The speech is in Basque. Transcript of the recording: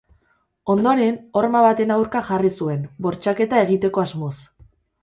Ondoren, horma baten aurka jarri zuen, bortxaketa egiteko asmoz.